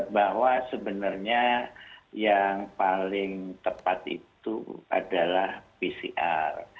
bahwa sebenarnya yang paling tepat itu adalah pcr